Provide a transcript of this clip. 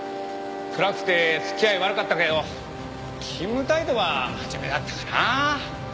暗くて付き合い悪かったけど勤務態度は真面目だったかな。